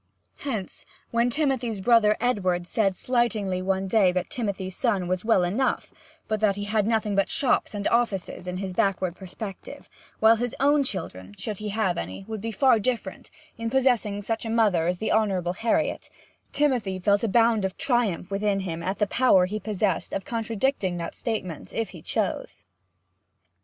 Hence, when Timothy's brother Edward said slightingly one day that Timothy's son was well enough, but that he had nothing but shops and offices in his backward perspective, while his own children, should he have any, would be far different, in possessing such a mother as the Honourable Harriet, Timothy felt a bound of triumph within him at the power he possessed of contradicting that statement if he chose.